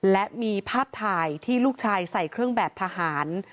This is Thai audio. และมีภาพถ่ายที่ลูกชายใส่เครื่องแบบทหาร